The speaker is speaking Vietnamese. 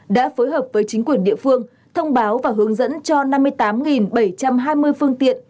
đã phối hợp với chính quyền địa phương thông báo và hướng dẫn cho năm mươi tám bảy trăm hai mươi phương tiện